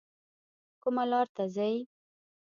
کومه لار ته ځئ؟